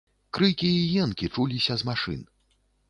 Крыкі і енкі чуліся з машын.